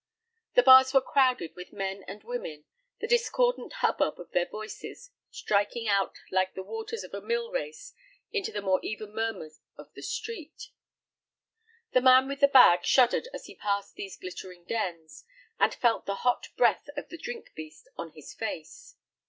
The bars were crowded with men and women, the discordant hubbub of their voices striking out like the waters of a mill race into the more even murmur of the streets. The man with the bag shuddered as he passed these glittering dens, and felt the hot breath of the "drink beast" on his face.